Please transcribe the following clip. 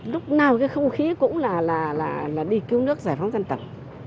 lúc nào cái không khí cũng là đi cứu nước giải phóng dân tộc